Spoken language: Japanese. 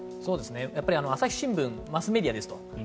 やっぱり朝日新聞マスメディアですと。